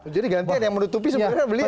jadi gantian yang menutupi sebenarnya beliau ya